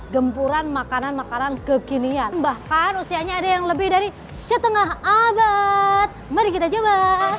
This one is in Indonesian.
gempuran makanan makanan kekinian bahkan usianya ada yang lebih dari setengah abad mari kita coba